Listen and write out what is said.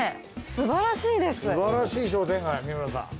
すばらしい商店街三村さん。